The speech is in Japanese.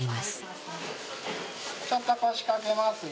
ちょっと腰掛けますよ。